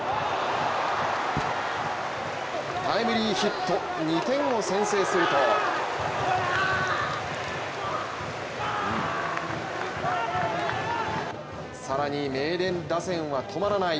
タイムリーヒット２点を先制すると更に名電打線は止まらない。